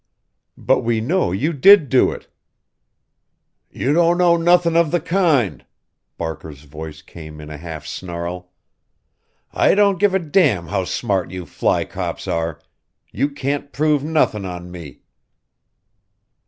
"But we know you did do it." "You don't know nothin' of the kind," Barker's voice came in a half snarl. "I don't give a damn how smart you fly cops are you can't prove nothin' on me."